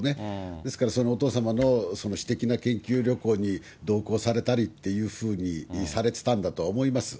ですから、そのお父さまの私的な研究旅行に同行されたりっていうふうにされてたんだと思います。